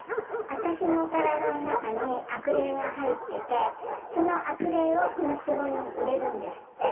私の体の中に悪霊が入ってて、その悪霊をこのつぼに入れるんですって。